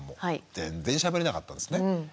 全然しゃべれなかったんですね。